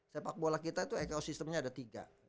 sepak bola kita itu ekosistemnya ada tiga